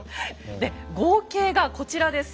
で合計がこちらです。